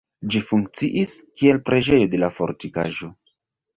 Ĝi funkciis, kiel preĝejo de la fortikaĵo.